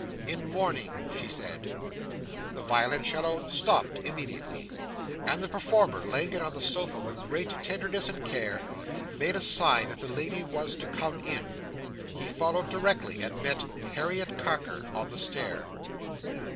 "In mourning," she said. The violoncello stopped immediately; and the performer, laying it on the sofa with great tenderness and care, made a sign that the lady was to come in. He followed directly, and met Harriet Carker on the stair.